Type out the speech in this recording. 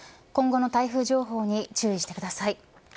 今後の台風情報に注意してください。